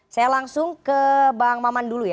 saya langsung ke bang maman dulu ya